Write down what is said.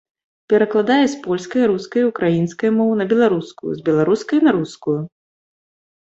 Перакладае з польскай, рускай, украінскай моў на беларускую, з беларускай на рускую.